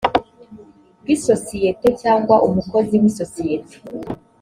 bw isosiyete cyangwa umukozi w isosiyete